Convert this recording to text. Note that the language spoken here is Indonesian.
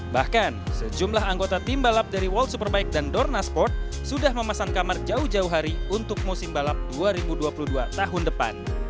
bahkan sejumlah anggota tim balap dari world superbike dan dorna sport sudah memesan kamar jauh jauh hari untuk musim balap dua ribu dua puluh dua tahun depan